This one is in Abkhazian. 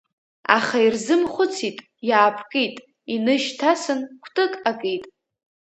Аха ирзымхәыцит, иаапкит, инышьҭасын кәтык акит.